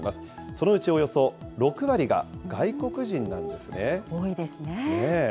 そのうちおよそ６割が外国人なん多いですね。